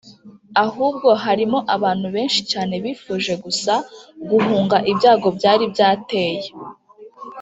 ahubwo harimo abantu benshi cyane bifuje gusa guhunga ibyago byari byateye,